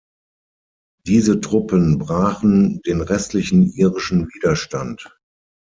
Diese Truppen brachen den restlichen irischen Widerstand.